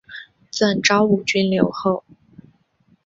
赠昭武军留后。